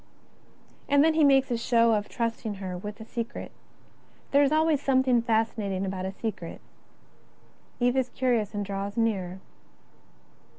And then he makes a show of trusting her with a secret. There is always something fascinating about a secret. Eve is curious and draws nearer.